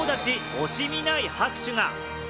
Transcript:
惜しみない拍手が。